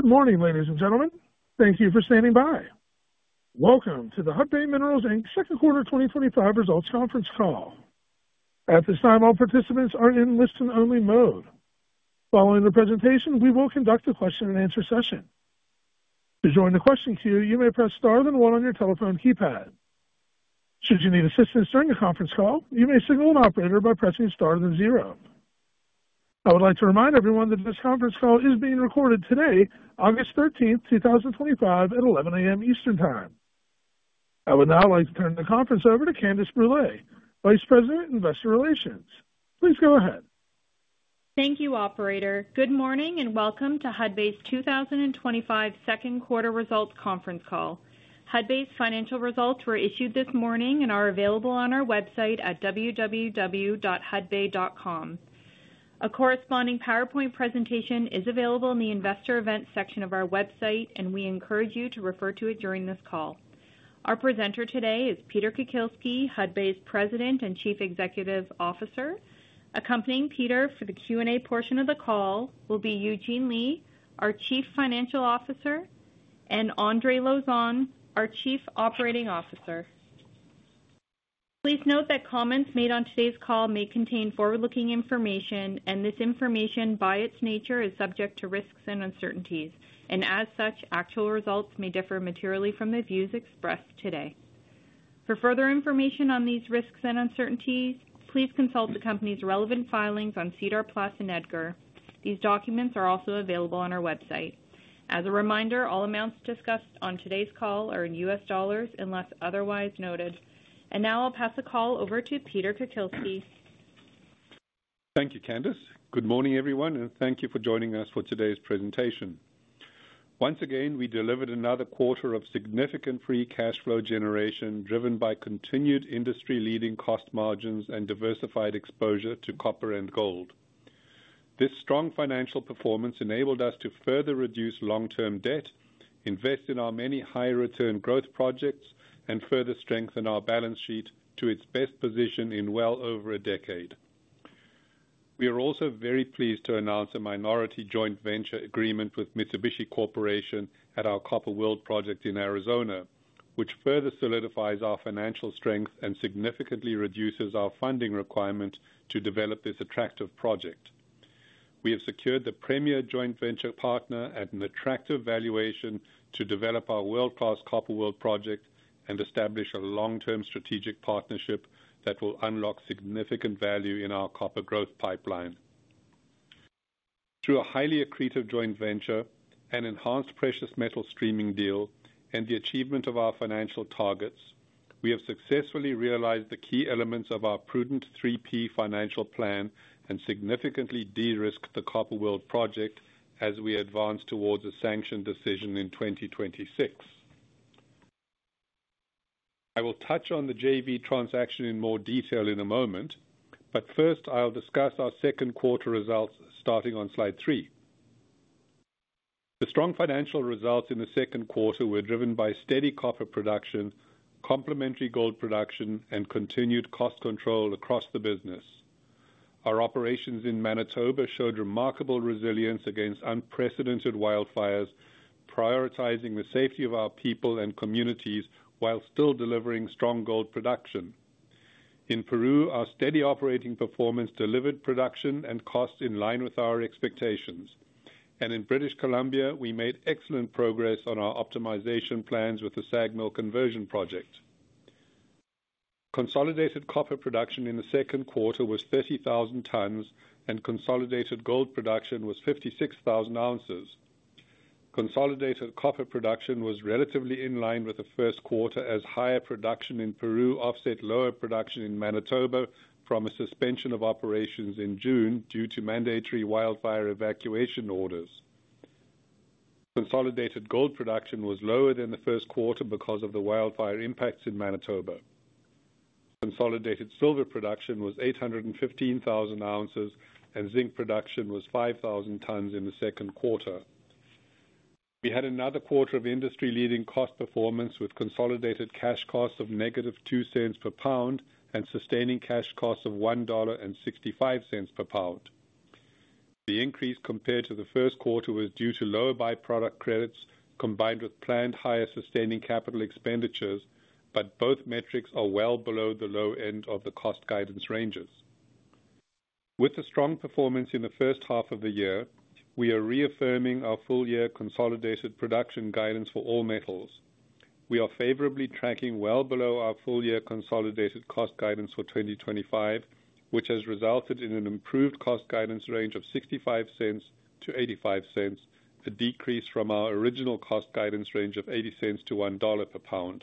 Good morning, ladies and gentlemen. Thank you for standing by. Welcome to the Hudbay Minerals Inc second quarter 2025 results conference call. At this time, all participants are in listen-only mode. Following the presentation, we will conduct a question-and-answer session. To join the question queue, you may press star one on your telephone keypad. Should you need assistance during the conference call, you may signal an operator by pressing star zero. I would like to remind everyone that this conference call is being recorded today, August 13th, 2025, at 11:00 A.M. Eastern Time. I would now like to turn the conference over to Candace Brule, Vice President, Investor Relations. Please go ahead. Thank you, Operator. Good morning and welcome to Hudbay's 2025 second quarter results conference call. Hudbay's financial results were issued this morning and are available on our website at www.hudbay.com. A corresponding PowerPoint presentation is available in the investor events section of our website, and we encourage you to refer to it during this call. Our presenter today is Peter Kukielski, Hudbay's President and Chief Executive Officer. Accompanying Peter for the Q&A portion of the call will be Eugene Lei, our Chief Financial Officer, and Andre Lauzon, our Chief Operating Officer. Please note that comments made on today's call may contain forward-looking information, and this information, by its nature, is subject to risks and uncertainties, and as such, actual results may differ materially from the views expressed today. For further information on these risks and uncertainties, please consult the company's relevant filings on SEDAR+ and EDGAR. These documents are also available on our website. As a reminder, all amounts discussed on today's call are in U.S. dollars unless otherwise noted. Now I'll pass the call over to Peter Kukielski. Thank you, Candace. Good morning, everyone, and thank you for joining us for today's presentation. Once again, we delivered another quarter of significant free cash flow generation driven by continued industry-leading cost margins and diversified exposure to copper and gold. This strong financial performance enabled us to further reduce long-term debt, invest in our many high-return growth projects, and further strengthen our balance sheet to its best position in well over a decade. We are also very pleased to announce a minority joint venture agreement with Mitsubishi Corporation at our Copper World project in Arizona, which further solidifies our financial strength and significantly reduces our funding requirement to develop this attractive project. We have secured the premier joint venture partner at an attractive valuation to develop our world-class Copper World project and establish a long-term strategic partnership that will unlock significant value in our copper growth pipeline. Through a highly accretive joint venture, an enhanced precious metal streaming deal, and the achievement of our financial targets, we have successfully realized the key elements of our prudent 3P financial plan and significantly de-risked the Copper World project as we advance towards a sanctioned decision in 2026. I will touch on the JV transaction in more detail in a moment, but first I'll discuss our second quarter results starting on slide three. The strong financial results in the second quarter were driven by steady copper production, complementary gold production, and continued cost control across the business. Our operations in Manitoba showed remarkable resilience against unprecedented wildfires, prioritizing the safety of our people and communities while still delivering strong gold production. In Peru, our steady operating performance delivered production and cost in line with our expectations, and in British Columbia, we made excellent progress on our optimization plans with the SAG mill conversion project. Consolidated copper production in the second quarter was 30,000 tons, and consolidated gold production was 56,000 ounces. Consolidated copper production was relatively in line with the first quarter, as higher production in Peru offset lower production in Manitoba from a suspension of operations in June due to mandatory wildfire evacuation orders. Consolidated gold production was lower than the first quarter because of the wildfire impacts in Manitoba. Consolidated silver production was 815,000 ounces, and zinc production was 5,000 tons in the second quarter. We had another quarter of industry-leading cost performance with consolidated cash costs of -$0.02/lbs and sustaining cash costs of $1.65/lbs. The increase compared to the first quarter was due to lower byproduct credits combined with planned higher sustaining capital expenditures, but both metrics are well below the low end of the cost guidance ranges. With the strong performance in the first half of the year, we are reaffirming our full-year consolidated production guidance for all metals. We are favorably tracking well below our full-year consolidated cost guidance for 2025, which has resulted in an improved cost guidance range of $0.65-$0.85, a decrease from our original cost guidance range of $0.80/lbs-$1.00/lbs.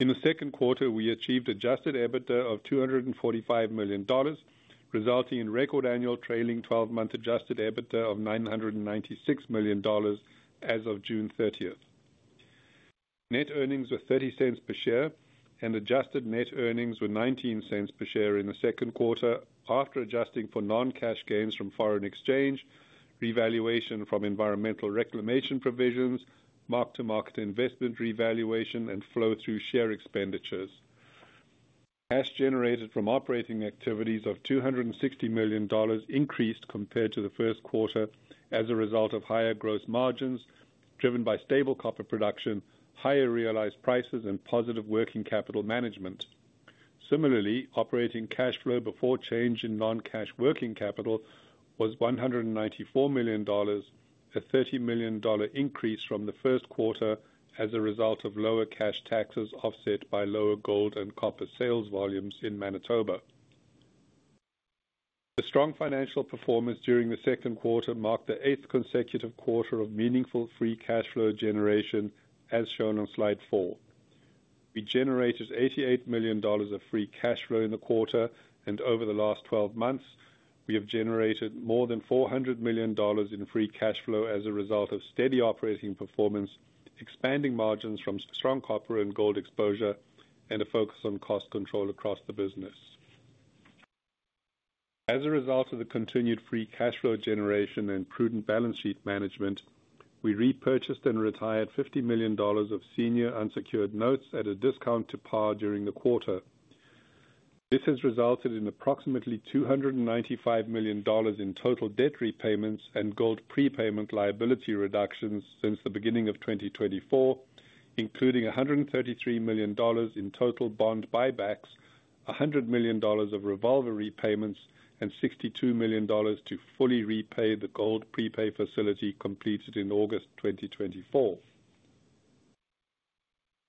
In the second quarter, we achieved an adjusted EBITDA of $245 million, resulting in record annual trailing 12-month adjusted EBITDA of $996 million as of June 30th. Net earnings were $0.30 per share, and adjusted net earnings were $0.19 per share in the second quarter after adjusting for non-cash gains from foreign exchange, revaluation from environmental reclamation provisions, mark-to-market investment revaluation, and flow-through share expenditures. Cash generated from operating activities of $260 million increased compared to the first quarter as a result of higher gross margins driven by stable copper production, higher realized prices, and positive working capital management. Similarly, operating cash flow before change in non-cash working capital was $194 million, a $30 million increase from the first quarter as a result of lower cash taxes offset by lower gold and copper sales volumes in Manitoba. The strong financial performance during the second quarter marked the eighth consecutive quarter of meaningful free cash flow generation, as shown on slide four. We generated $88 million of free cash flow in the quarter, and over the last 12 months, we have generated more than $400 million in free cash flow as a result of steady operating performance, expanding margins from strong copper and gold exposure, and a focus on cost control across the business. As a result of the continued free cash flow generation and prudent balance sheet management, we repurchased and retired $50 million of senior unsecured notes at a discount to par during the quarter. This has resulted in approximately $295 million in total debt repayments and gold prepayment liability reductions since the beginning of 2024, including $133 million in total bond buybacks, $100 million of revolver repayments, and $62 million to fully repay the gold prepay facility completed in August 2024.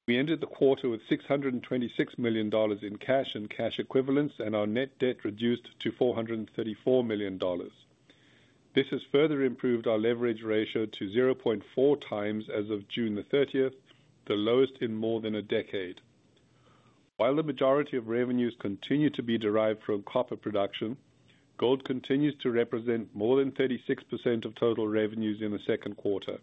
We ended the quarter with $626 million in cash and cash equivalents, and our net debt reduced to $434 million. This has further improved our leverage ratio to 0.4x as of June 30th, the lowest in more than a decade. While the majority of revenues continue to be derived from copper production, gold continues to represent more than 36% of total revenues in the second quarter.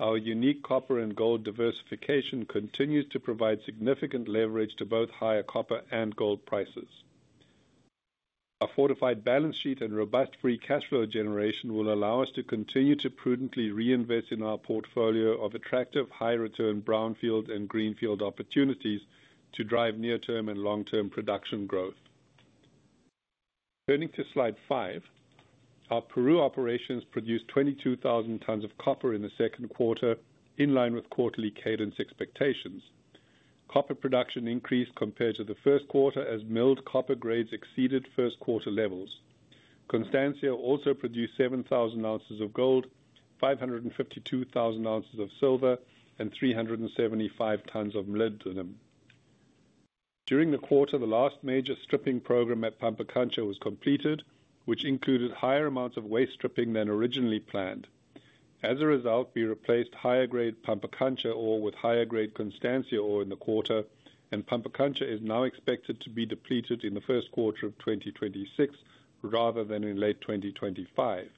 Our unique copper and gold diversification continues to provide significant leverage to both higher copper and gold prices. Our fortified balance sheet and robust free cash flow generation will allow us to continue to prudently reinvest in our portfolio of attractive, high-return brownfield and greenfield opportunities to drive near-term and long-term production growth. Turning to slide five, our Peru operations produced 22,000 tons of copper in the second quarter, in line with quarterly cadence expectations. Copper production increased compared to the first quarter as milled copper grades exceeded first quarter levels. Constancia also produced 7,000 ounces of gold, 552,000 ounces of silver, and 375 tons of molybdenum. During the quarter, the last major stripping program at Pampacancha was completed, which included higher amounts of waste stripping than originally planned. As a result, we replaced higher-grade Pampacancha ore with higher-grade Constancia ore in the quarter, and Pampacancha is now expected to be depleted in the first quarter of 2026 rather than in late 2025.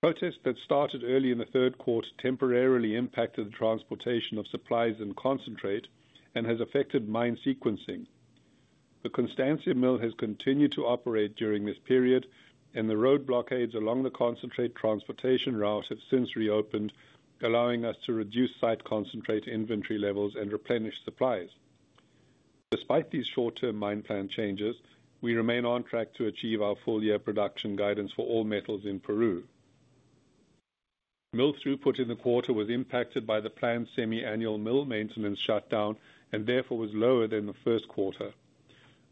Protests that started early in the third quarter temporarily impacted the transportation of supplies and concentrate and have affected mine sequencing. The Constancia mill has continued to operate during this period, and the road blockades along the concentrate transportation route have since reopened, allowing us to reduce site concentrate inventory levels and replenish supplies. Despite these short-term mine plan changes, we remain on track to achieve our full-year production guidance for all metals in Peru. Mill throughput in the quarter was impacted by the planned semi-annual mill maintenance shutdown and therefore was lower than the first quarter.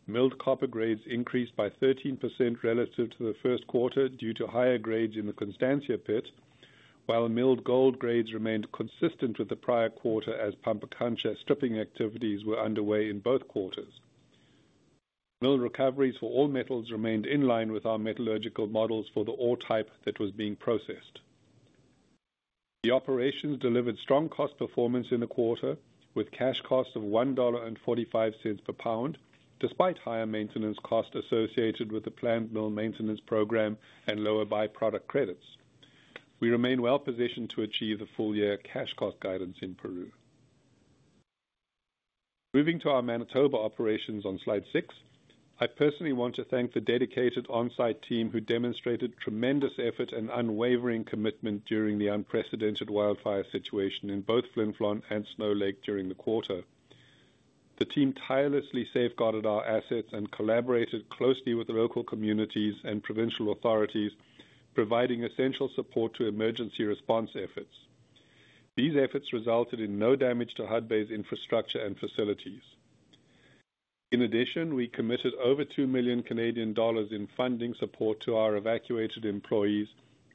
Milled copper grades increased by 13% relative to the first quarter due to higher grades in the Constancia pit, while milled gold grades remained consistent with the prior quarter as Pampacancha stripping activities were underway in both quarters. Mill recoveries for all metals remained in line with our metallurgical models for the ore type that was being processed. The operations delivered strong cost performance in the quarter, with cash costs of $1.45/lbs, despite higher maintenance costs associated with the planned mill maintenance program and lower byproduct credits. We remain well positioned to achieve the full-year cash cost guidance in Peru. Moving to our Manitoba operations on slide six, I personally want to thank the dedicated onsite team who demonstrated tremendous effort and unwavering commitment during the unprecedented wildfire situation in both Flin Flon and Snow Lake during the quarter. The team tirelessly safeguarded our assets and collaborated closely with local communities and provincial authorities, providing essential support to emergency response efforts. These efforts resulted in no damage to Hudbay's infrastructure and facilities. In addition, we committed over 2 million Canadian dollars in funding support to our evacuated employees,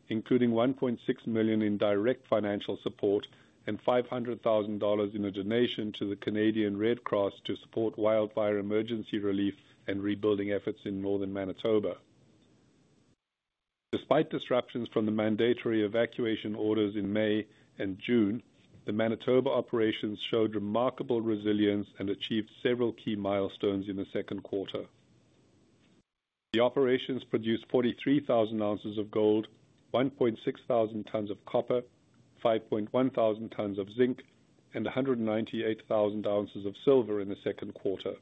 including 1.6 million in direct financial support and 500,000 dollars in a donation to the Canadian Red Cross to support wildfire emergency relief and rebuilding efforts in Northern Manitoba. Despite disruptions from the mandatory evacuation orders in May and June, the Manitoba operations showed remarkable resilience and achieved several key milestones in the second quarter. The operations produced 43,000 ounces of gold, 1.6 thousand tons of copper, 5.1 thousand tons of zinc, and 198,000 ounces of silver in the second quarter.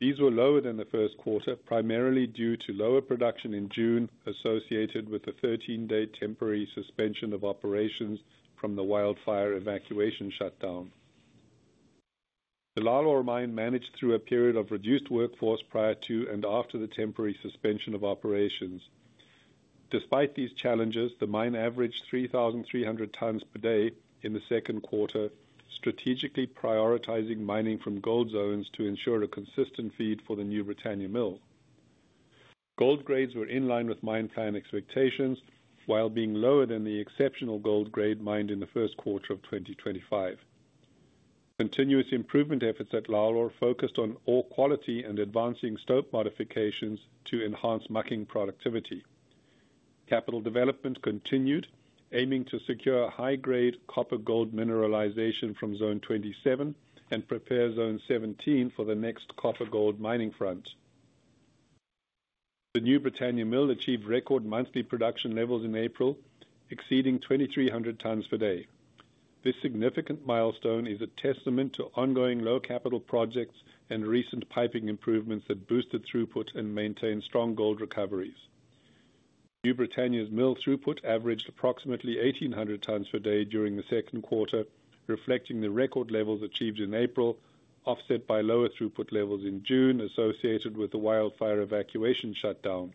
These were lower than the first quarter, primarily due to lower production in June associated with the 13-day temporary suspension of operations from the wildfire evacuation shutdown. The Lalor mine managed through a period of reduced workforce prior to and after the temporary suspension of operations. Despite these challenges, the mine averaged 3,300 tons per day in the second quarter, strategically prioritizing mining from gold zones to ensure a consistent feed for the New Britannia mill. Gold grades were in line with mine plan expectations, while being lower than the exceptional gold grade mined in the first quarter of 2024. Continuous improvement efforts at Lalor focused on ore quality and advancing stope modifications to enhance mucking productivity. Capital development continued, aiming to secure high-grade copper-gold mineralization from Zone 27 and prepare Zone 17 for the next copper-gold mining front. The New Britannia mill achieved record monthly production levels in April, exceeding 2,300 tons per day. This significant milestone is a testament to ongoing low-capital projects and recent piping improvements that boosted throughput and maintained strong gold recoveries. New Britannia's mill throughput averaged approximately 1,800 tons per day during the second quarter, reflecting the record levels achieved in April, offset by lower throughput levels in June associated with the wildfire evacuation shutdown.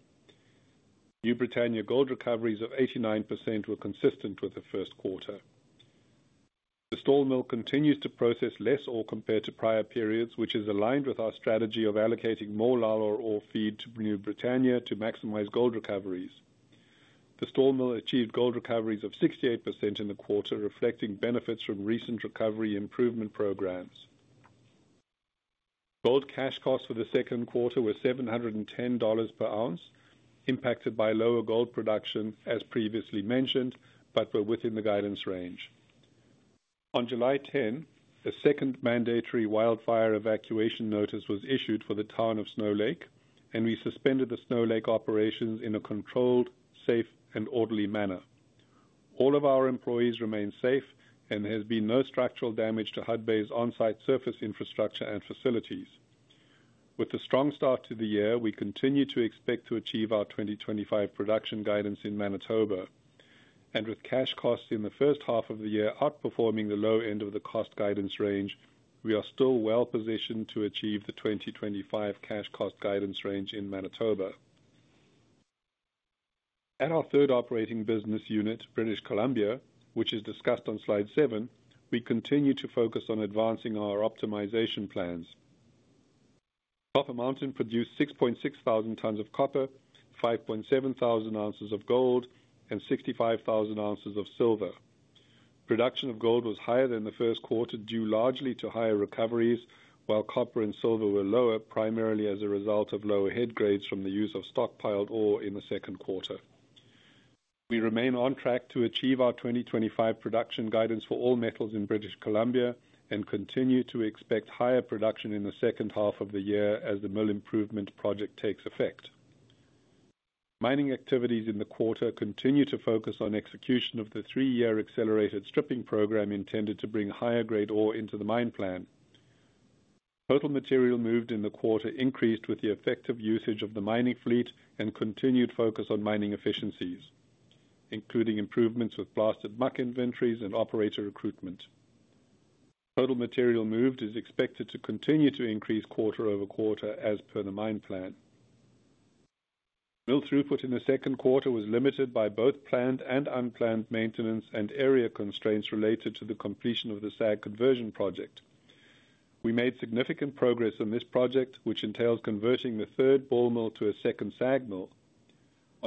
New Britannia gold recoveries of 89% were consistent with the first quarter. The Stall mill continues to process less ore compared to prior periods, which is aligned with our strategy of allocating more Lalor ore feed to New Britannia to maximize gold recoveries. The Stall mill achieved gold recoveries of 68% in the quarter, reflecting benefits from recent recovery improvement programs. Gold cash costs for the second quarter were $710 per ounce, impacted by lower gold production as previously mentioned, but were within the guidance range. On July 10th, a second mandatory wildfire evacuation notice was issued for the town of Snow Lake, and we suspended the Snow Lake operations in a controlled, safe, and orderly manner. All of our employees remain safe, and there has been no structural damage to Hudbay's onsite surface infrastructure and facilities. With a strong start to the year, we continue to expect to achieve our 2025 production guidance in Manitoba. With cash costs in the first half of the year outperforming the low end of the cost guidance range, we are still well positioned to achieve the 2025 cash cost guidance range in Manitoba. At our third operating business unit, British Columbia, which is discussed on slide seven, we continue to focus on advancing our optimization plans. Copper Mountain produced 6.6 thousand tons of copper, 5.7 thousand ounces of gold, and 65 thousand ounces of silver. Production of gold was higher than the first quarter due largely to higher recoveries, while copper and silver were lower, primarily as a result of lower head grades from the use of stockpiled ore in the second quarter. We remain on track to achieve our 2025 production guidance for all metals in British Columbia and continue to expect higher production in the second half of the year as the mill improvement project takes effect. Mining activities in the quarter continue to focus on execution of the three-year accelerated stripping program intended to bring higher grade ore into the mine plan. Total material moved in the quarter increased with the effective usage of the mining fleet and continued focus on mining efficiencies, including improvements with blasted muck inventories and operator recruitment. Total material moved is expected to continue to increase quarter-over-quarter as per the mine plan. Mill throughput in the second quarter was limited by both planned and unplanned maintenance and area constraints related to the completion of the SAG conversion project. We made significant progress on this project, which entails converting the third ball mill to a second SAG mill.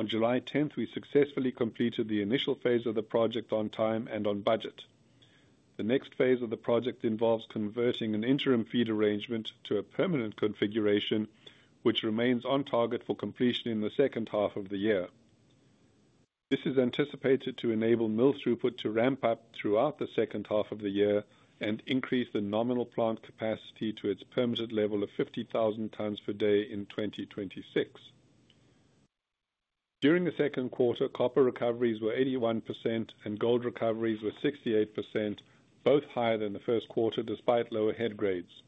On July 10th, we successfully completed the initial phase of the project on time and on budget. The next phase of the project involves converting an interim feed arrangement to a permanent configuration, which remains on target for completion in the second half of the year. This is anticipated to enable mill throughput to ramp up throughout the second half of the year and increase the nominal plant capacity to its permanent level of 50,000 tons per day in 2026. During the second quarter, copper recoveries were 81% and gold recoveries were 68%, both higher than the first quarter despite lower head grades.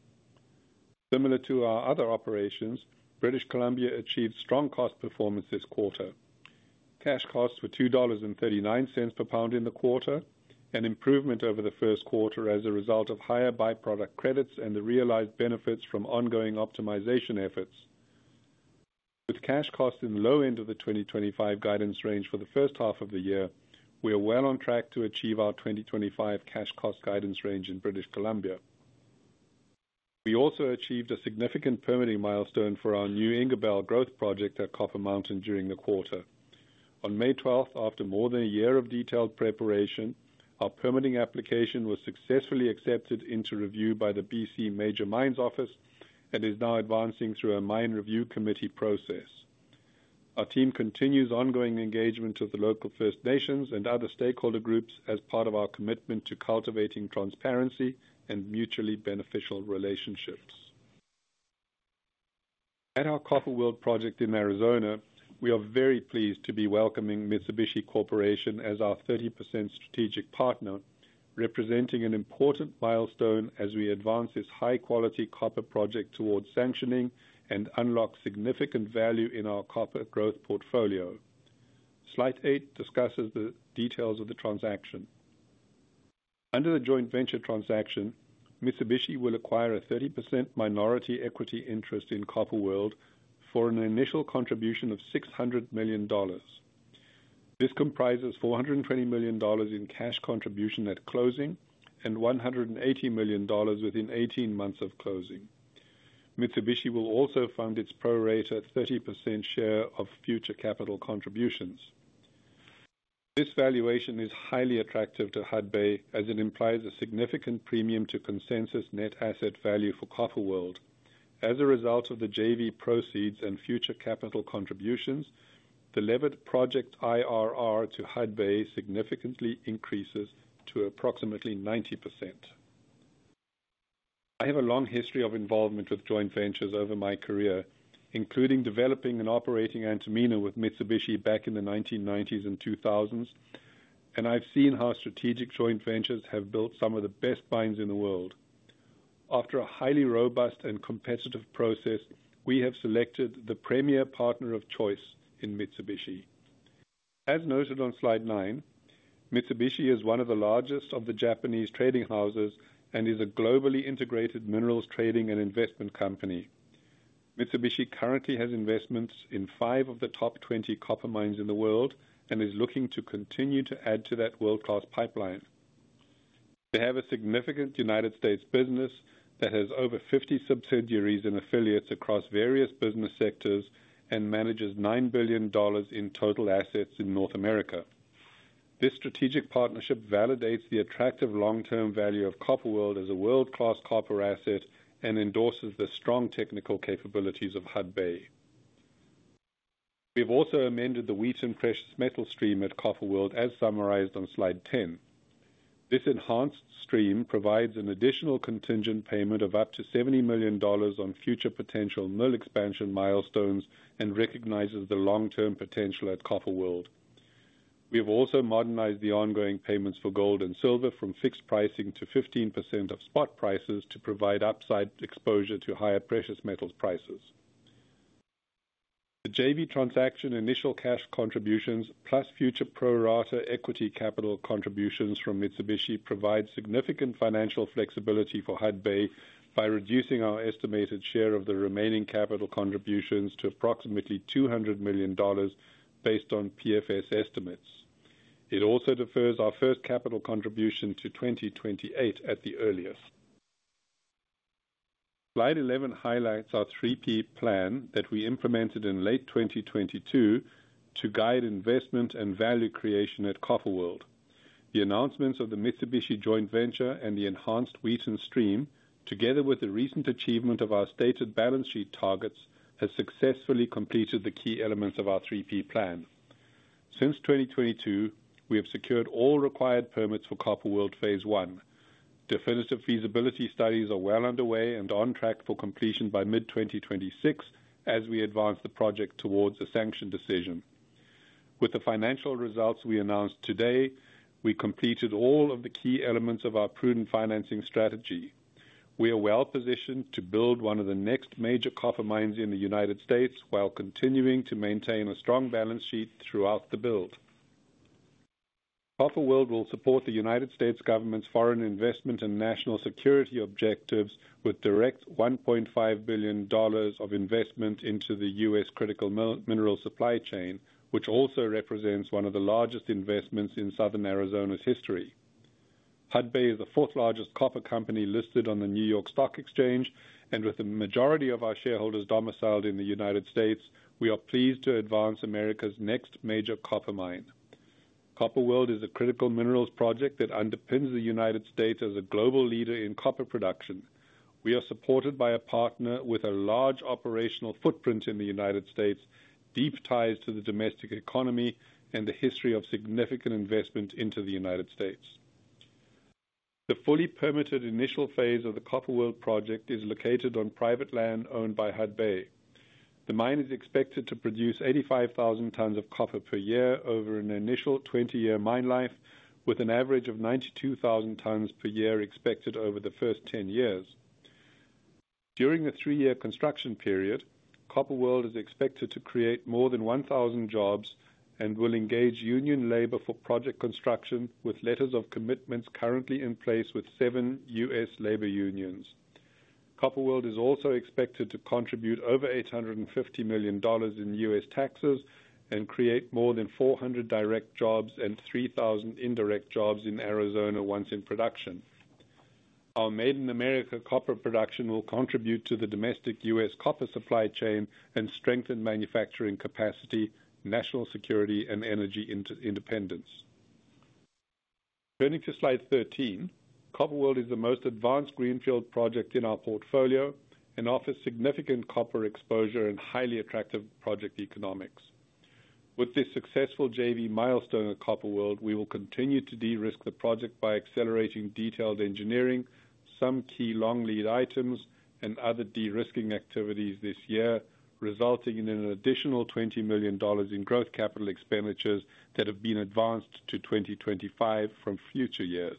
Similar to our other operations, British Columbia achieved strong cost performance this quarter. Cash costs were $2.39/lbs in the quarter, an improvement over the first quarter as a result of higher byproduct credits and the realized benefits from ongoing optimization efforts. With cash costs in the low end of the 2025 guidance range for the first half of the year, we are well on track to achieve our 2025 cash cost guidance range in British Columbia. We also achieved a significant permitting milestone for our New Ingerbelle growth project at Copper Mountain during the quarter. On May 12th, after more than a year of detailed preparation, our permitting application was successfully accepted into review by the BC Major Mines Office and is now advancing through a mine review committee process. Our team continues ongoing engagement with the local First Nations and other stakeholder groups as part of our commitment to cultivating transparency and mutually beneficial relationships. At our Copper World project in Arizona, we are very pleased to be welcoming Mitsubishi Corporation as our 30% strategic partner, representing an important milestone as we advance this high-quality copper project towards sanctioning and unlock significant value in our copper growth portfolio. Slide eight discusses the details of the transaction. Under the joint venture transaction, Mitsubishi will acquire a 30% minority equity interest in Copper World for an initial contribution of $600 million. This comprises $420 million in cash contribution at closing and $180 million within 18 months of closing. Mitsubishi will also fund its pro rata 30% share of future capital contributions. This valuation is highly attractive to Hudbay as it implies a significant premium to consensus net asset value for Copper World. As a result of the JV proceeds and future capital contributions, the levered project IRR to Hudbay significantly increases to approximately 90%. I have a long history of involvement with joint ventures over my career, including developing and operating Antamina with Mitsubishi back in the 1990s and 2000s, and I've seen how strategic joint ventures have built some of the best mines in the world. After a highly robust and competitive process, we have selected the premier partner of choice in Mitsubishi. As noted on slide nine, Mitsubishi is one of the largest of the Japanese trading houses and is a globally integrated minerals trading and investment company. Mitsubishi currently has investments in five of the top 20 copper mines in the world and is looking to continue to add to that world-class pipeline. They have a significant United States business that has over 50 subsidiaries and affiliates across various business sectors and manages $9 billion in total assets in North America. This strategic partnership validates the attractive long-term value of Copper World as a world-class copper asset and endorses the strong technical capabilities of Hudbay. We've also amended the Wheaton Precious Metals stream at Copper World, as summarized on slide 10. This enhanced stream provides an additional contingent payment of up to $70 million on future potential mill expansion milestones and recognizes the long-term potential at Copper World. We've also modernized the ongoing payments for gold and silver from fixed pricing to 15% of spot prices to provide upside exposure to higher precious metals prices. The JV transaction initial cash contributions plus future prorata equity capital contributions from Mitsubishi provide significant financial flexibility for Hudbay by reducing our estimated share of the remaining capital contributions to approximately $200 million based on PFS estimates. It also defers our first capital contribution to 2028 at the earliest. Slide 11 highlights our 3P plan that we implemented in late 2022 to guide investment and value creation at Copper World. The announcements of the Mitsubishi joint venture and the enhanced Wheaton stream, together with the recent achievement of our stated balance sheet targets, have successfully completed the key elements of our 3P plan. Since 2022, we have secured all required permits for Copper World phase I. Definitive feasibility studies are well underway and on track for completion by mid-2026 as we advance the project towards a sanctioned decision. With the financial results we announced today, we completed all of the key elements of our prudent financing strategy. We are well positioned to build one of the next major copper mines in the United States while continuing to maintain a strong balance sheet throughout the build. Copper World will support the United States government's foreign investment and national security objectives with direct $1.5 billion of investment into the U.S. critical mineral supply chain, which also represents one of the largest investments in Southern Arizona's history. Hudbay is the fourth largest copper company listed on the New York Stock Exchange, and with the majority of our shareholders domiciled in the United States, we are pleased to advance America's next major copper mine. Copper World is a critical minerals project that underpins the United States as a global leader in copper production. We are supported by a partner with a large operational footprint in the United States, deep ties to the domestic economy, and a history of significant investment into the United States. The fully permitted initial phase of the Copper World project is located on private land owned by Hudbay. The mine is expected to produce 85,000 tons of copper per year over an initial 20-year mine life, with an average of 92,000 tons per year expected over the first 10 years. During the three-year construction period, Copper World is expected to create more than 1,000 jobs and will engage union labor for project construction with letters of commitments currently in place with seven U.S. labor unions. Copper World is also expected to contribute over $850 million in U.S. taxes and create more than 400 direct jobs and 3,000 indirect jobs in Arizona once in production. Our Made in America copper production will contribute to the domestic U.S. copper supply chain and strengthen manufacturing capacity, national security, and energy independence. Turning to slide 13, Copper World is the most advanced greenfield project in our portfolio and offers significant copper exposure and highly attractive project economics. With this successful JV milestone at Copper World, we will continue to de-risk the project by accelerating detailed engineering, some key long lead items, and other de-risking activities this year, resulting in an additional $20 million in growth capital expenditures that have been advanced to 2025 from future years.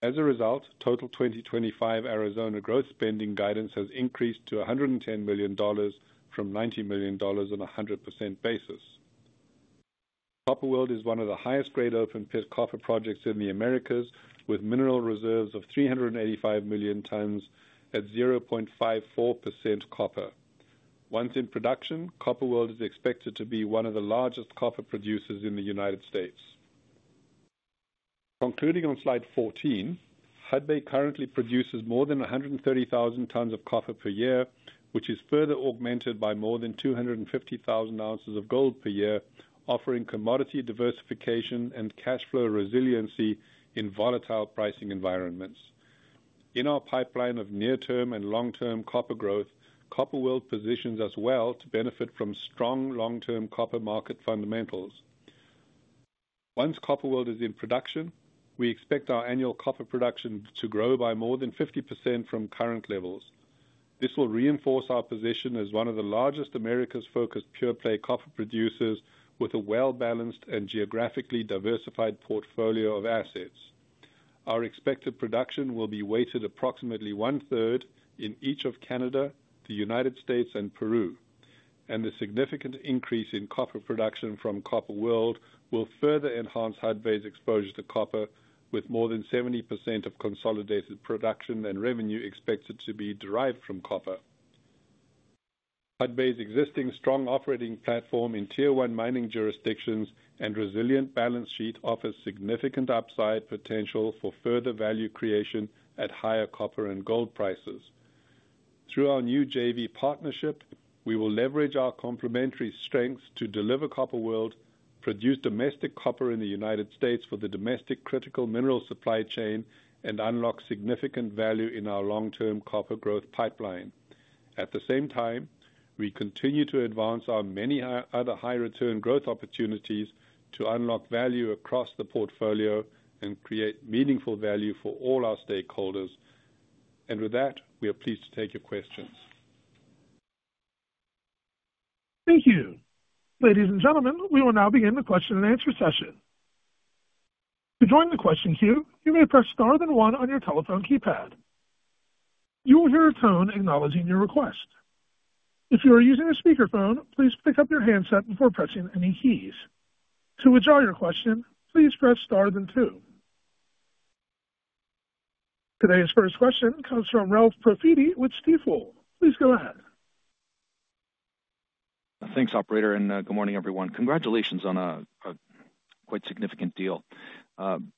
As a result, total 2025 Arizona growth spending guidance has increased to $110 million from $90 million on a 100% basis. Copper World is one of the highest grade open pit copper projects in the Americas, with mineral reserves of 385 million tons at 0.54% copper. Once in production, Copper World is expected to be one of the largest copper producers in the United States. Concluding on slide 14, Hudbay currently produces more than 130,000 tons of copper per year, which is further augmented by more than 250,000 ounces of gold per year, offering commodity diversification and cash flow resiliency in volatile pricing environments. In our pipeline of near-term and long-term copper growth, Copper World positions us well to benefit from strong long-term copper market fundamentals. Once Copper World is in production, we expect our annual copper production to grow by more than 50% from current levels. This will reinforce our position as one of the largest Americas-focused pure-play copper producers with a well-balanced and geographically diversified portfolio of assets. Our expected production will be weighted approximately 1/3 in each of Canada, the United States, and Peru, and the significant increase in copper production from Copper World will further enhance Hudbay's exposure to copper with more than 70% of consolidated production and revenue expected to be derived from copper. Hudbay's existing strong operating platform in Tier 1 mining jurisdictions and resilient balance sheet offer significant upside potential for further value creation at higher copper and gold prices. Through our new JV partnership, we will leverage our complementary strengths to deliver Copper World, produce domestic copper in the United States for the domestic critical mineral supply chain, and unlock significant value in our long-term copper growth pipeline. At the same time, we continue to advance our many other high-return growth opportunities to unlock value across the portfolio and create meaningful value for all our stakeholders. We are pleased to take your questions. Thank you. Ladies and gentlemen, we will now begin the question and answer session. To join the question queue, you may press star then one on your telephone keypad. You will hear a tone acknowledging your request. If you are using a speaker phone, please pick up your handset before pressing any keys. To withdraw your question, please press star then two. Today's first question comes from Ralph Profiti with Stifel. Please go ahead. Thanks, Operator, and good morning, everyone. Congratulations on a quite significant deal.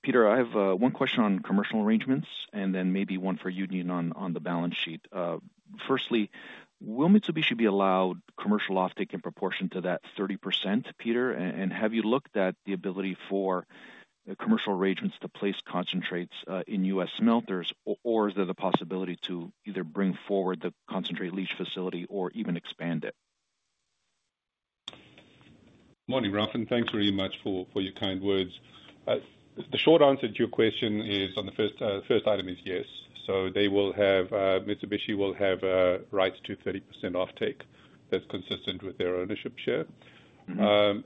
Peter, I have one question on commercial arrangements and then maybe one for Eugene on the balance sheet. Firstly, will Mitsubishi be allowed commercial offtake in proportion to that 30%, Peter? Have you looked at the ability for commercial arrangements to place concentrates in U.S. smelters, or is there the possibility to either bring forward the concentrate leach facility or even expand it? Morning, Ralph, and thanks very much for your kind words. The short answer to your question is on the first item is yes. Mitsubishi will have rights to 30% offtake that's consistent with their ownership share.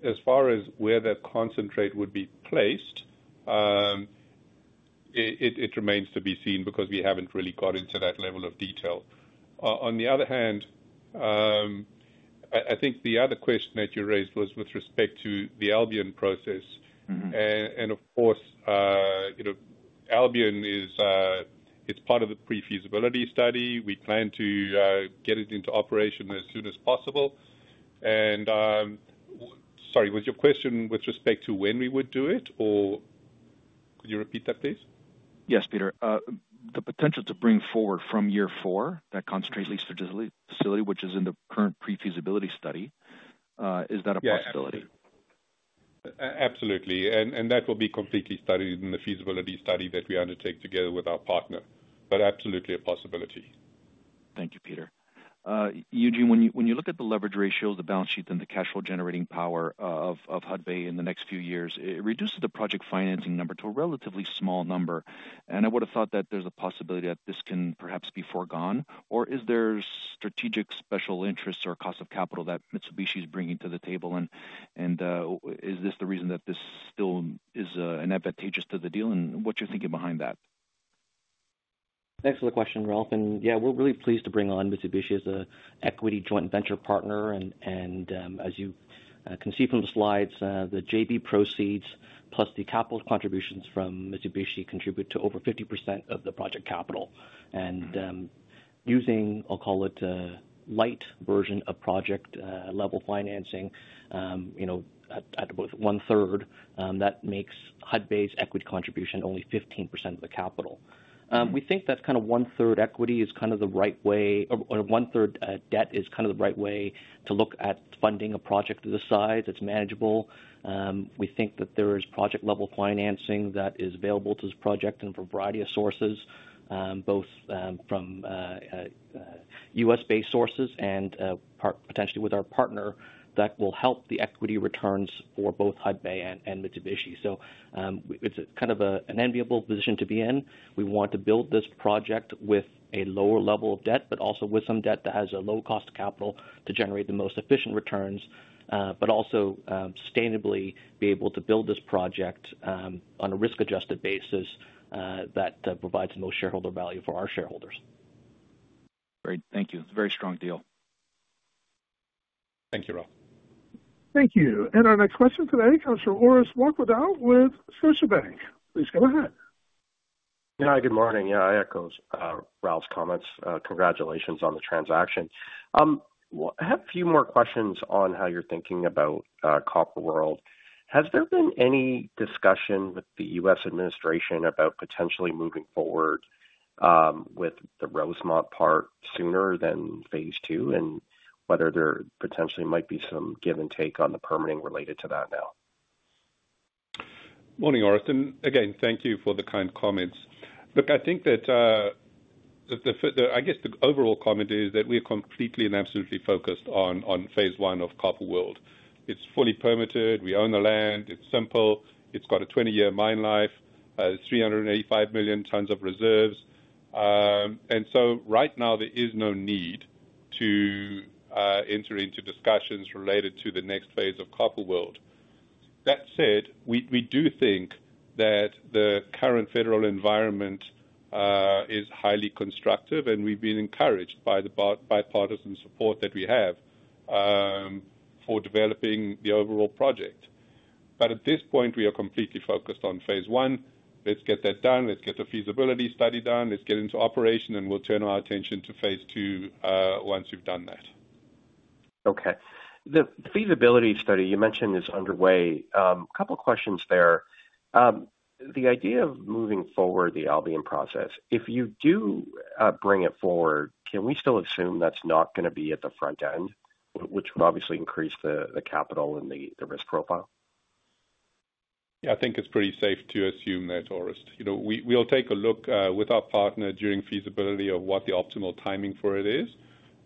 As far as where the concentrate would be placed, it remains to be seen because we haven't really got into that level of detail. I think the other question that you raised was with respect to the Albion Process. Of course, Albion is part of the pre-feasibility study. We plan to get it into operation as soon as possible. Sorry, was your question with respect to when we would do it, or would you repeat that, please? Yes, Peter. The potential to bring forward from year four that concentrate leach facility, which is in the current pre-feasibility study, is that a possibility? Absolutely. That will be completely studied in the feasibility study that we undertake together with our partner. Absolutely a possibility. Thank you, Peter. Eugene, when you look at the leverage ratio of the balance sheet and the cash flow generating power of Hudbay in the next few years, it reduces the project financing number to a relatively small number. I would have thought that there's a possibility that this can perhaps be foregone. Is there strategic special interest or cost of capital that Mitsubishi is bringing to the table? Is this the reason that this still is advantageous to the deal? What's your thinking behind that? Thanks for the question, Ralph. We're really pleased to bring on Mitsubishi as an equity joint venture partner. As you can see from the slides, the JV proceeds plus the capital contributions from Mitsubishi contribute to over 50% of the project capital. Using, I'll call it a light version of project level financing, at about 1/3, that makes Hudbay's equity contribution only 15% of the capital. We think that 1/3 equity is the right way, or 1/3 debt is the right way to look at funding a project of the size that's manageable. We think that there is project level financing that is available to this project and from a variety of sources, both from U.S.-based sources and potentially with our partner that will help the equity returns for both Hudbay and Mitsubishi. It's kind of an enviable position to be in. We want to build this project with a lower level of debt, but also with some debt that has a low cost of capital to generate the most efficient returns, but also sustainably be able to build this project on a risk-adjusted basis that provides the most shareholder value for our shareholders. Great. Thank you. It's a very strong deal. Thank you, Ralph. Thank you. Our next question today comes from Orest Wowkodaw with Scotiabank. Please go ahead. Yeah, hi, good morning. I echo Ralph's comments. Congratulations on the transaction. I have a few more questions on how you're thinking about Copper World. Has there been any discussion with the U.S. administration about potentially moving forward with the Rosemont part sooner than phase II, and whether there potentially might be some give and take on the permitting related to that now? Morning, Orest. Thank you for the kind comments. I think the overall comment is that we are completely and absolutely focused on phase I of Copper World. It's fully permitted. We own the land. It's simple. It's got a 20-year mine life. It's 385 million tons of reserves. Right now, there is no need to enter into discussions related to the next phase of Copper World. That said, we do think that the current federal environment is highly constructive, and we've been encouraged by the bipartisan support that we have for developing the overall project. At this point, we are completely focused on phase I. Let's get that done. Let's get the feasibility study done. Let's get into operation, and we'll turn our attention to phase II once we've done that. Okay. The feasibility study you mentioned is underway. A couple of questions there. The idea of moving forward the Albion Process, if you do bring it forward, can we still assume that's not going to be at the front end, which would obviously increase the capital and the risk profile? Yeah, I think it's pretty safe to assume that, Orest. We'll take a look with our partner during feasibility of what the optimal timing for it is.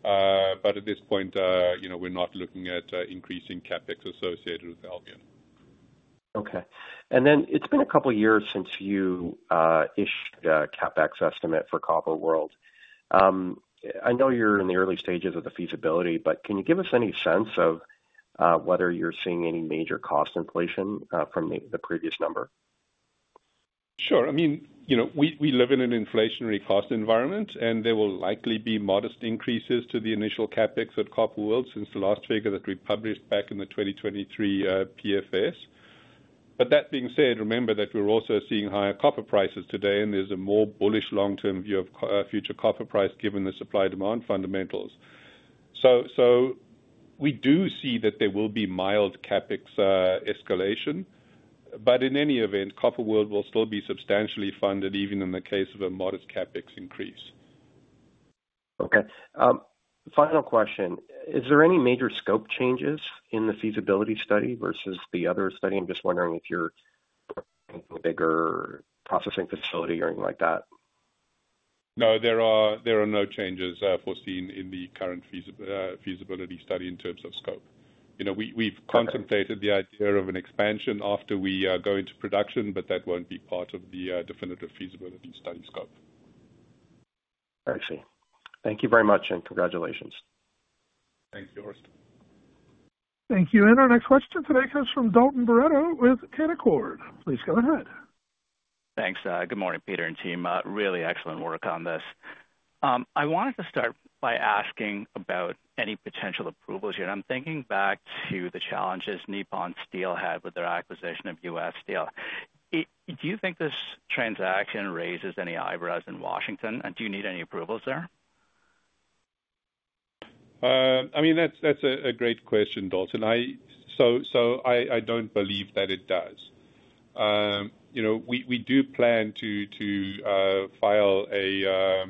At this point, we're not looking at increasing CapEx associated with Albion. Okay. It's been a couple of years since you issued a CapEx estimate for Copper World. I know you're in the early stages of the feasibility, but can you give us any sense of whether you're seeing any major cost inflation from the previous number? Sure. I mean, we live in an inflationary cost environment, and there will likely be modest increases to the initial CapEx at Copper World since the last figure that we published back in the 2023 PFS. That being said, remember that we're also seeing higher copper prices today, and there's a more bullish long-term view of future copper price given the supply-demand fundamentals. We do see that there will be mild CapEx escalation. In any event, Copper World will still be substantially funded even in the case of a modest CapEx increase. Okay. Final question. Is there any major scope changes in the feasibility study versus the other study? I'm just wondering if you're thinking a bigger processing facility or anything like that. No, there are no changes foreseen in the current feasibility study in terms of scope. We've contemplated the idea of an expansion after we go into production, but that won't be part of the definitive feasibility study scope. I see. Thank you very much, and congratulations. Thank you, Orest. Thank you. Our next question today comes from Dalton Baretto with Canaccord. Please go ahead. Thanks. Good morning, Peter and team. Really excellent work on this. I wanted to start by asking about any potential approvals here. I'm thinking back to the challenges Nippon Steel had with their acquisition of US Steel. Do you think this transaction raises any eyebrows in Washington? Do you need any approvals there? I mean, that's a great question, Dalton. I don't believe that it does. We do plan to file a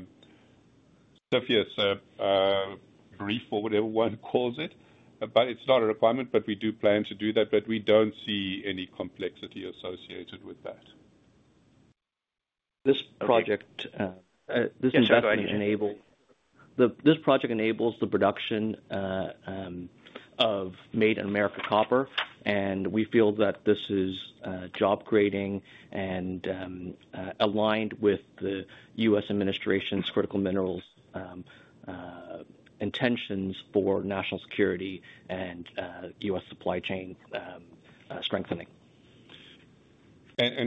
CFIUS brief or whatever one calls it, but it's not a requirement. We do plan to do that. We don't see any complexity associated with that. This project enables the production of Made in America copper, and we feel that this is job creating and aligned with the U.S. administration's critical minerals intentions for national security and U.S. supply chain strengthening.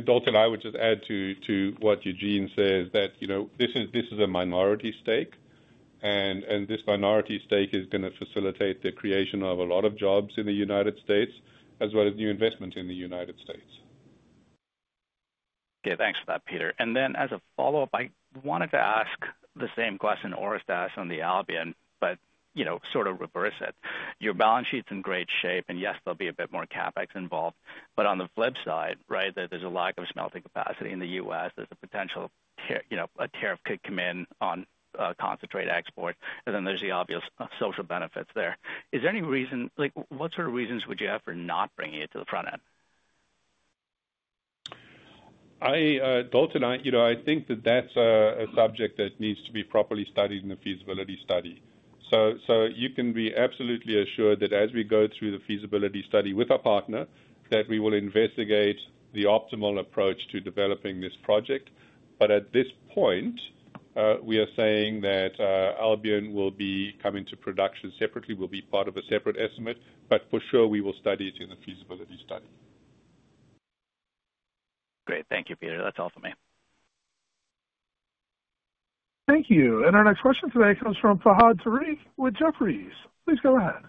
Dalton, I would just add to what Eugene said, that this is a minority stake, and this minority stake is going to facilitate the creation of a lot of jobs in the United States, as well as new investments in the United States. Okay, thanks for that, Peter. As a follow-up, I wanted to ask the same question Orest asked on the Albion, but sort of reverse it. Your balance sheet's in great shape, and yes, there'll be a bit more CapEx involved. On the flip side, there's a lack of smelting capacity in the U.S. There's a potential a tariff could come in on concentrate export, and there's the obvious social benefits there. Is there any reason, like what sort of reasons would you have for not bringing it to the front end? Dalton, I think that that's a subject that needs to be properly studied in the feasibility study. You can be absolutely assured that as we go through the feasibility study with our partner, we will investigate the optimal approach to developing this project. At this point, we are saying that Albion will be coming to production separately and will be part of a separate estimate. For sure, we will study it in the feasibility study. Great. Thank you, Peter. That's all for me. Thank you. Our next question today comes from Fahad Tariq with Jefferies. Please go ahead.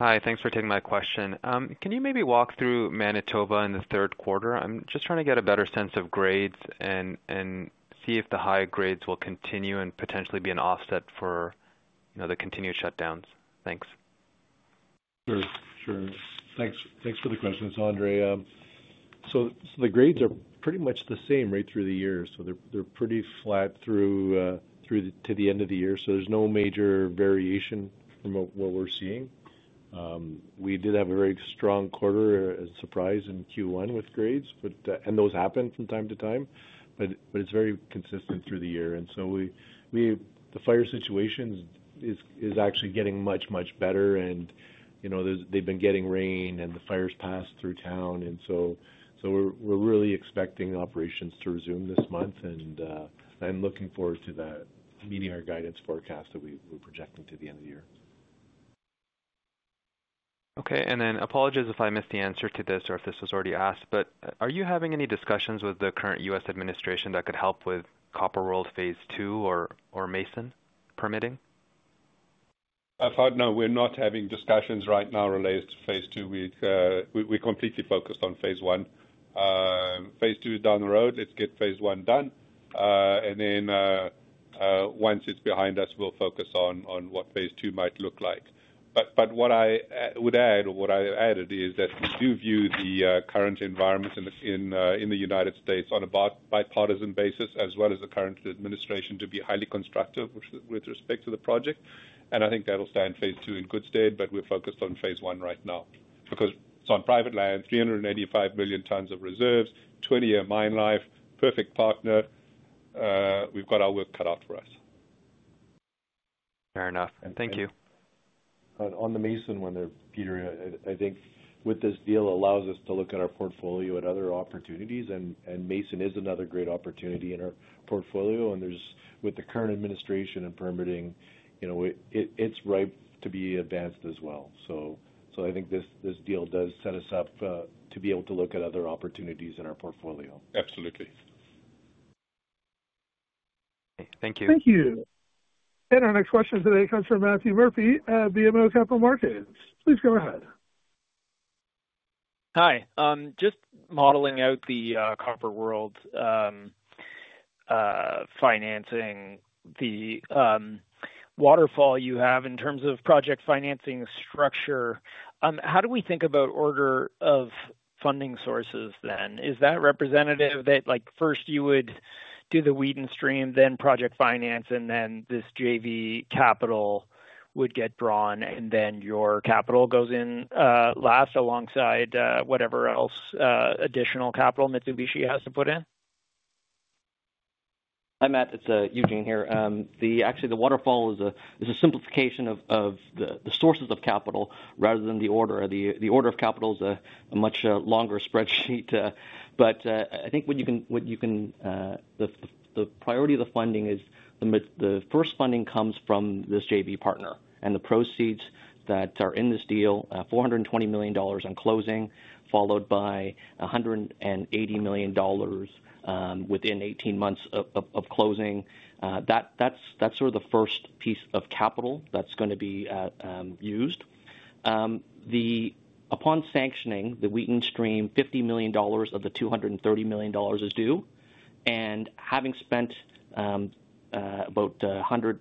Hi, thanks for taking my question. Can you maybe walk through Manitoba in the third quarter? I'm just trying to get a better sense of grades and see if the high grades will continue and potentially be an offset for the continued shutdowns. Thanks. Sure. Thanks for the question, Andre here. The grades are pretty much the same right through the year. They're pretty flat through to the end of the year, with no major variation from what we're seeing. We did have a very strong quarter as a surprise in Q1 with grades, but those happen from time to time. It's very consistent through the year. The fire situation is actually getting much, much better. They've been getting rain and the fires passed through town. We're really expecting operations to resume this month. I'm looking forward to that meeting our guidance forecast that we're projecting to the end of the year. Okay. Apologies if I missed the answer to this or if this was already asked, but are you having any discussions with the current U.S. administration that could help with Copper World phase II or Mason permitting? No, we're not having discussions right now related to phase II. We're completely focused on phase I. Phase II is down the road. Let's get phase I done, and then once it's behind us, we'll focus on what phase II might look like. What I would add is that we do view the current environment in the United States on a bipartisan basis, as well as the current administration, to be highly constructive with respect to the project. I think that'll stand phase II in good stead. We're focused on phase I right now because it's on private land, 385 million tons of reserves, 20-year mine life, perfect partner. We've got our work cut out for us. Fair enough. Thank you. On the Mason one, Peter, I think what this deal allows us to look at our portfolio at other opportunities. Mason is another great opportunity in our portfolio, and with the current administration and permitting, you know it's ripe to be advanced as well. I think this deal does set us up to be able to look at other opportunities in our portfolio. Absolutely. Thank you. Thank you. Our next question today comes from Matthew Murphy at BMO Capital Markets. Please go ahead. Hi. Just modeling out the Copper World financing, the waterfall you have in terms of project financing structure, how do we think about order of funding sources then? Is that representative that like first you would do the Wheaton stream, then project finance, and then this JV capital would get drawn, and then your capital goes in last alongside whatever else additional capital Mitsubishi has to put in? Hi, Matt. It's Eugene here. Actually, the waterfall is a simplification of the sources of capital rather than the order. The order of capital is a much longer spreadsheet. I think what you can, the priority of the funding is the first funding comes from this JV partner. The proceeds that are in this deal, $420 million on closing, followed by $180 million within 18 months of closing, that's sort of the first piece of capital that's going to be used. Upon sanctioning the Wheaton stream, $50 million of the $230 million is due. Having spent about $100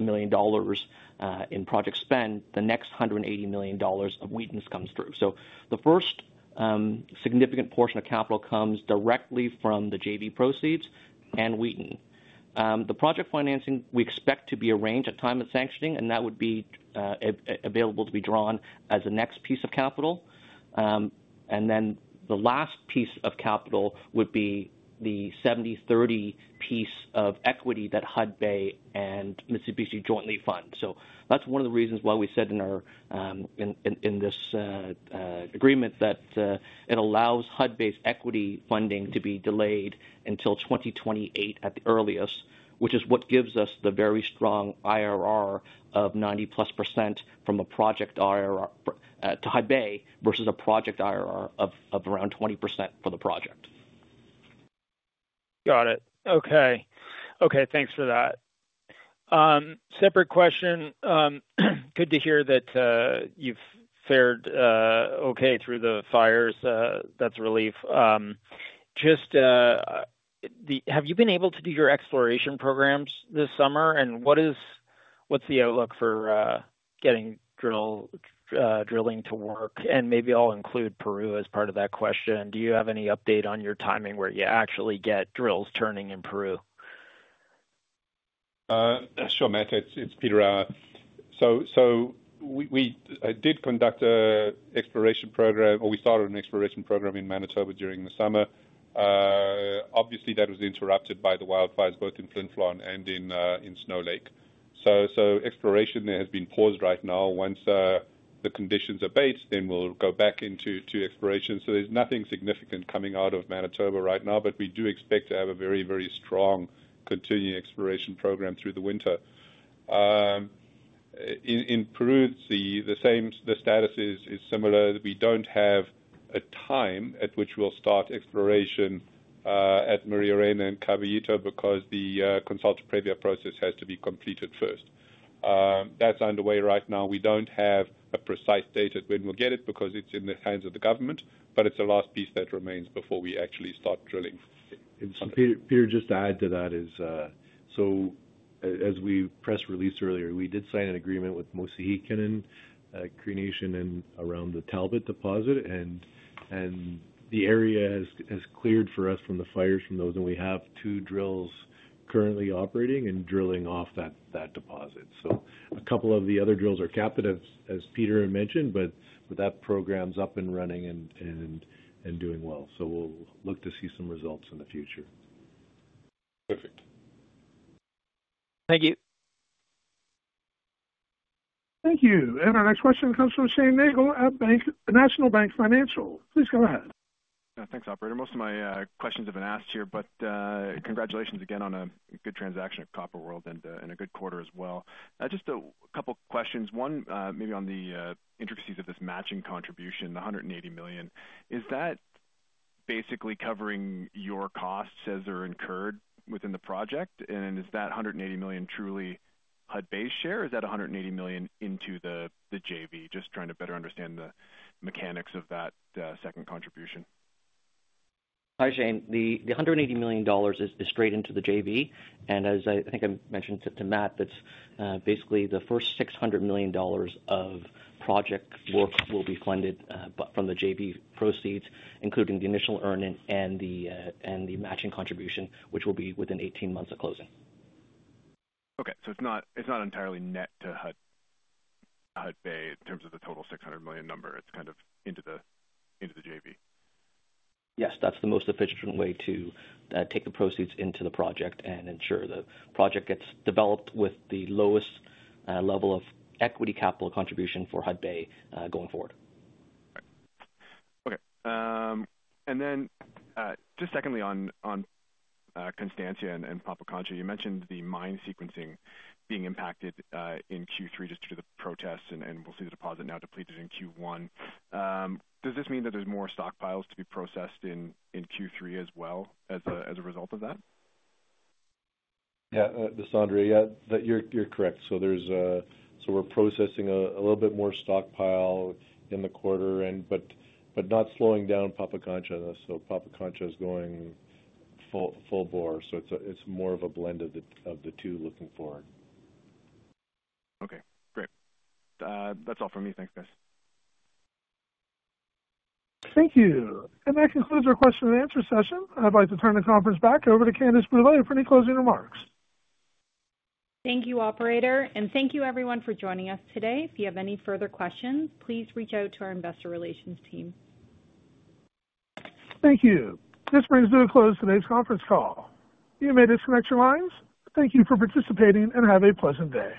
million in project spend, the next $180 million of Wheaton's comes through. The first significant portion of capital comes directly from the JV proceeds and Wheaton. The project financing we expect to be arranged at the time of sanctioning, and that would be available to be drawn as the next piece of capital. The last piece of capital would be the 70/30 piece of equity that Hudbay and Mitsubishi jointly fund. That's one of the reasons why we said in this agreement that it allows Hudbay's equity funding to be delayed until 2028 at the earliest, which is what gives us the very strong IRR of 90%+ from a project IRR to Hudbay versus a project IRR of around 20% for the project. Okay, thanks for that. Separate question. Good to hear that you've fared okay through the fires. That's a relief. Have you been able to do your exploration programs this summer? What's the outlook for getting drilling to work? Maybe I'll include Peru as part of that question. Do you have any update on your timing where you actually get drills turning in Peru? Sure, Matt. It's Peter. We did conduct an exploration program, or we started an exploration program in Manitoba during the summer. Obviously, that was interrupted by the wildfires both in Flin Flon and in Snow Lake. Exploration has been paused right now. Once the conditions abate, we'll go back into exploration. There's nothing significant coming out of Manitoba right now, but we do expect to have a very, very strong continuing exploration program through the winter. In Peru, the status is similar. We don't have a time at which we'll start exploration at Maria Reyna and Caballito because the consulta previa process has to be completed first. That's underway right now. We don't have a precise date when we'll get it because it's in the hands of the government, but it's the last piece that remains before we actually start drilling. Peter, just to add to that, as we press released earlier, we did sign an agreement with Mosakahiken Cree Nation around the Talbot deposit, and the area has cleared for us from the fires. We have two drills currently operating and drilling off that deposit. A couple of the other drills are capped, as Peter had mentioned, but that program's up and running and doing well. We'll look to see some results in the future. Perfect. Thank you. Thank you. Our next question comes from Shane Nagle at National Bank Financial. Please go ahead. Thanks, Operator. Most of my questions have been asked here, but congratulations again on a good transaction at Copper World and a good quarter as well. Just a couple of questions. One, maybe on the intricacies of this matching contribution, the $180 million, is that basically covering your costs as they're incurred within the project? Is that $180 million truly Hudbay's share? Is that $180 million into the JV? Just trying to better understand the mechanics of that second contribution. Hi, Shane. The $180 million is straight into the JV. As I think I mentioned to Matt, that's basically the first $600 million of project work will be funded from the JV proceeds, including the initial earning and the matching contribution, which will be within 18 months of closing. Okay. It's not entirely net to Hudbay in terms of the total $600 million number. It's kind of into the JV. Yes, that's the most efficient way to take the proceeds into the project and ensure the project gets developed with the lowest level of equity capital contribution for Hudbay going forward. Okay. Just secondly on Constancia and Pampacancha, you mentioned the mine sequencing being impacted in Q3 due to the protests, and we'll see the deposit now depleted in Q1. Does this mean that there's more stockpiles to be processed in Q3 as well as a result of that? Yeah. This is Andre. Yeah, you're correct. We're processing a little bit more stockpile in the quarter, but not slowing down Pampacancha. Pampacancha is going full bore. It's more of a blend of the two looking forward. Okay, great. That's all for me. Thanks, guys. Thank you. That concludes our question and answer session. I'd like to turn the conference back over to Candace Brule with any closing remarks. Thank you, Operator. Thank you, everyone, for joining us today. If you have any further questions, please reach out to our investor relations team. Thank you. This brings to a close today's conference call. You may disconnect your lines. Thank you for participating and have a pleasant day.